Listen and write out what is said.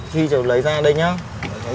khi lấy ra đây nhé